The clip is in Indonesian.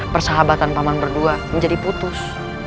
persahabatan paman berdua menjadi putus